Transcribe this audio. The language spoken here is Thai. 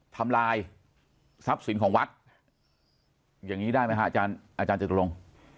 ทำลายทรัพย์สินของวัดอย่างงี้ได้ไหมคะอาจารย์อาจารย์จัตรวง